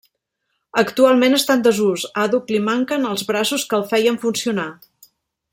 Actualment està en desús, àdhuc li manquen els braços que el feien funcionar.